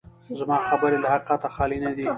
زما خبرې له حقیقته خالي نه دي.